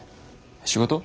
仕事？